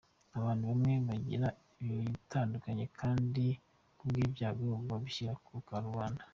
Abantu bamwe bagira ibibatandukanya kandi kubw’ibyago babishyira ku karubanda.”